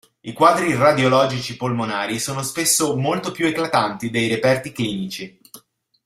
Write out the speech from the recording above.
I quadri radiologici polmonari sono spesso molto più eclatanti dei reperti clinici.